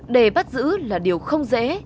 để bắt giữ là điều không dễ